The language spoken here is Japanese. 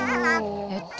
えっと